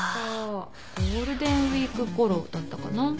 ゴールデンウイークごろだったかな。